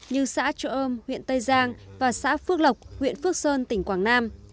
như xã trộm huyện tây giang và xã phước lộc huyện phước sơn tỉnh quảng nam